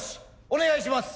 お願いします。